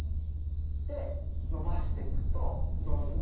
で伸ばしてくと同時に。